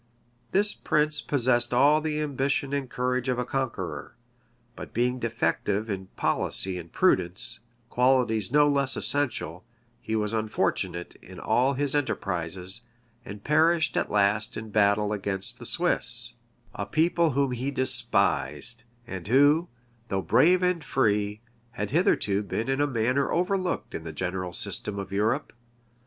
This prince possessed all the ambition and courage of a conqueror; but being defective in policy and prudence, qualities no less essential, he was unfortunate in all his enterprises; and perished at last in battle against the Swiss;[*] a people whom he despised, and who, though brave and free, had hitherto been in a manner overlooked in the general system of Europe.